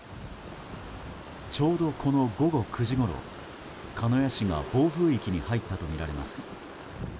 ちょうど、この午後９時ごろ鹿屋市が暴風域に入ったとみられます。